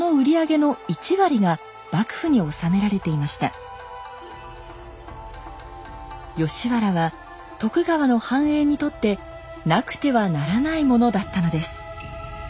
幕末の頃には吉原は徳川の繁栄にとってなくてはならないものだったのです。